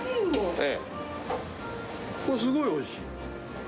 これ、すごいおいしい。